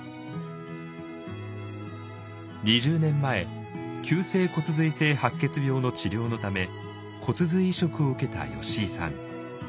２０年前急性骨髄性白血病の治療のため骨髄移植を受けた吉井さん。